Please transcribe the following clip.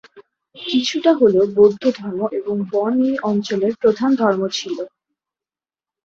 কিছুটা হলেও বৌদ্ধ ধর্ম এবং বন এই অঞ্চলের প্রধান ধর্ম ছিল।